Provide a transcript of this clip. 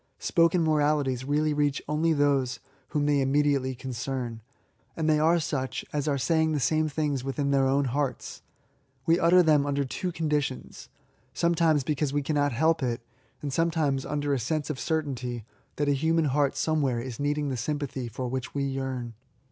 Spoken moralities really reach only those whom they im mediately concern; — and they are such as are saying the same things within their own hearts. We utter them under two conditions :— sometimes LIFE TO THS INVALID. 67 because we cazmot help it; and sometmies under a sense of certainty that a human heart somewhere is needing the sympathy for which we yearn.